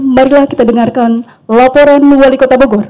marilah kita dengarkan laporan wali kota bogor